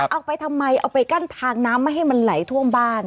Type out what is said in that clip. เอาไปทำไมเอาไปกั้นทางน้ำไม่ให้มันไหลท่วมบ้าน